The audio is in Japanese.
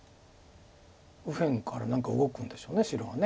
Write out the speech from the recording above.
右辺から何か動くんでしょう白が。